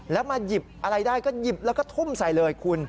แล้วมาหยิบอะไรได้ก็หยิบแล้วก็ทุ่มใส่เลยคุณ